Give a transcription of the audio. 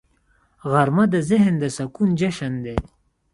غرمه د ذهن د سکون جشن دی